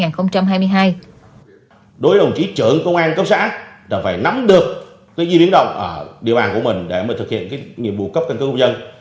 đối với đồng chí trưởng công an tp hcm là phải nắm được cái di biến động ở địa bàn của mình để mới thực hiện cái nhiệm vụ cấp căn cứ công dân